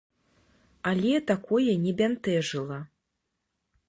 Але такое не бянтэжыла.